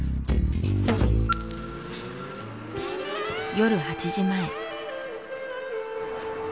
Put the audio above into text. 夜８時前。